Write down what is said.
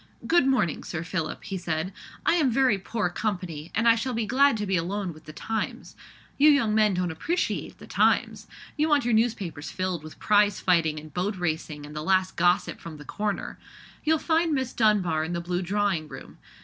"Good morning, Sir Philip," he said; "I am very poor company, and I shall be glad to be alone with the Times. You young men don't appreciate the Times. You want your newspapers filled with prize fighting and boat racing, and the last gossip from 'the Corner.' You'll find Miss Dunbar in the blue drawing room.